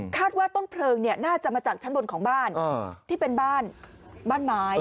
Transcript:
ว่าต้นเพลิงน่าจะมาจากชั้นบนของบ้านที่เป็นบ้านบ้านไม้